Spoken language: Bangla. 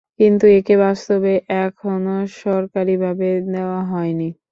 কিন্তু একে বাস্তবে কখনও সরকারীভাবে দেওয়া হয়নি।